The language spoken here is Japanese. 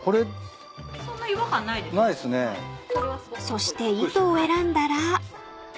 ［そして糸を選んだら］